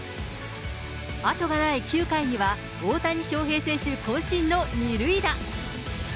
後がない９回には、大谷翔平選手、こん身の２塁打。